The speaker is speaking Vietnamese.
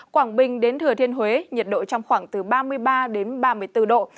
quảng bình đến thừa thiên huế nhiệt độ trong khoảng từ ba mươi ba đến ba mươi bốn độ